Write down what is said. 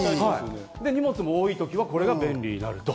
荷物が多いときは、これが便利になると。